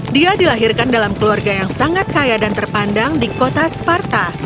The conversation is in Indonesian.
dia dilahirkan dalam keluarga yang sangat kaya dan terpandang di kota sparta